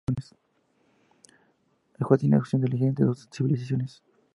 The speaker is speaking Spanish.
El jugador tiene opción de elegir entre doce civilizaciones.